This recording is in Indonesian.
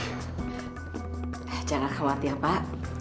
jangan khawatir pak